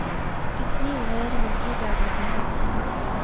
کتنی غیر ملکی جائیدادیں ہیں۔